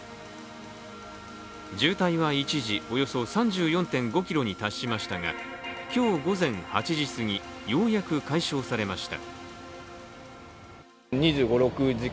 渋滞は一時、およそ３４．５ｋｍに達しましたが、今日午前８時すぎ、ようやく解消されました。